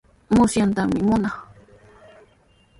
Musyaytami munaa.